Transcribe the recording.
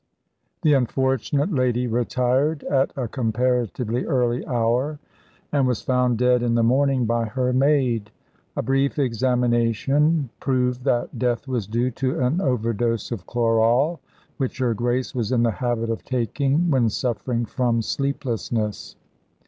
The unfortunate lady retired at a comparatively early hour, and was found dead in the morning by her maid. A brief examination proved that death was due to an overdose of chloral, which her Grace was in the habit of taking when suffering from sleeplessness.